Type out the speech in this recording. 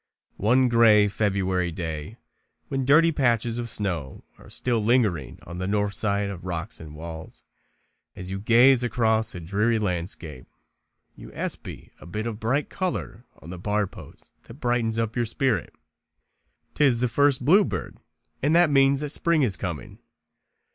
One gray February day, when dirty patches of snow are still lingering on the north side of rocks and walls, as you gaze across a dreary landscape, you espy a bit of bright color on the bar post that brightens up your spirit. 'Tis the first bluebird, and that means that spring is coming.